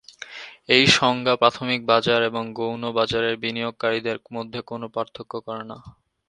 এই সংজ্ঞা প্রাথমিক বাজার এবং গৌণ বাজারের বিনিয়োগকারীদের মধ্যে কোনও পার্থক্য করে না।